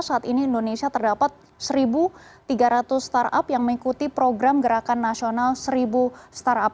saat ini indonesia terdapat satu tiga ratus startup yang mengikuti program gerakan nasional seribu startup